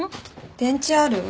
電池ある？